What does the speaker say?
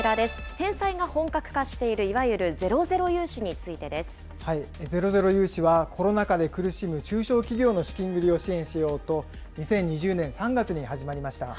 返済が本格化している、いわゆるゼロゼロ融資はコロナ禍で苦しむ中小企業の資金繰りを支援しようと、２０２０年３月に始まりました。